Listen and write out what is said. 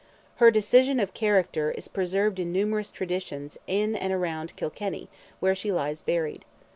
Her decision of character is preserved in numerous traditions in and around Kilkenny, where she lies buried.